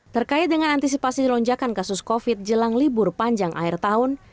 terkait dengan antisipasi lonjakan kasus covid jelang libur panjang akhir tahun